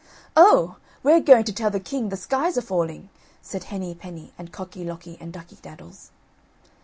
"Oh! we're going to tell the king the sky's a falling," said Henny penny and Cocky locky and Ducky daddles.